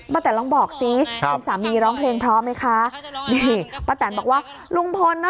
แตนลองบอกสิคุณสามีร้องเพลงเพราะไหมคะนี่ป้าแตนบอกว่าลุงพลนะ